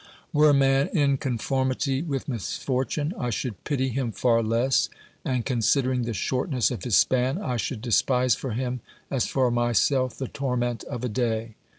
Were man in conformity with misfortune, I should pity him far less, and, considering the shortness of his span, I should despise for him as for myself the torment of a day.